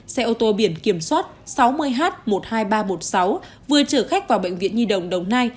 xe ô tô biển kiểm soát sáu mươi h một mươi hai nghìn ba trăm một mươi sáu vừa chở khách vào bệnh viện nhi đồng đồng nai